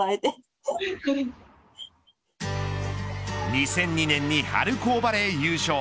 ２００２年に春高バレー優勝